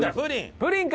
プリンだ！